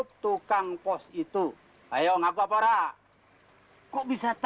ke kampus tengk pouredan itu